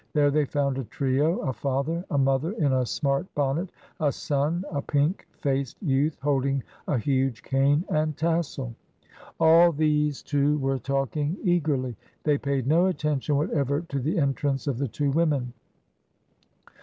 There they found a trio— a father, a mother in a smart bonnet, a son, a pink faced youth holding a huge cane and tassel. All these, too. AT VERSAILLES. 20q. were talking eagerly — they paid no attention what ever to the entrance of the two women.